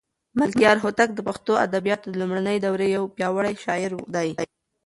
ملکیار هوتک د پښتو ادبیاتو د لومړنۍ دورې یو پیاوړی شاعر دی.